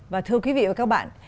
và thưa quý vị và các bạn